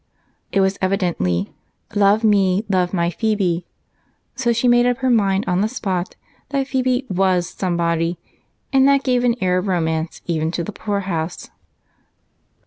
It was evidently "Love me, love my Phebe," so she made up her mind on the spot that Phebe was somebody, and that gave an air of romance even to the poorhouse.